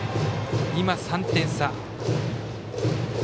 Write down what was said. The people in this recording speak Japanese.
今、３点差。